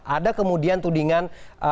ada kemudian tudingan